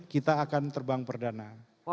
kita akan terbang perdana